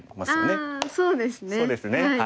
そうですね